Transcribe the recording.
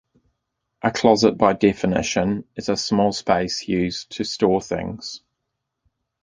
A closet by definition is a small space used to store things.